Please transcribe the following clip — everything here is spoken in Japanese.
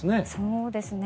そうですね。